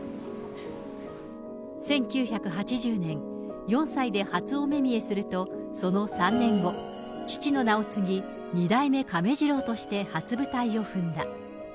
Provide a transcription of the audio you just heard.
１９８０年、４歳で初お目見えすると、その３年後、父の名を継ぎ、二代目亀治郎として初舞台を踏んだ。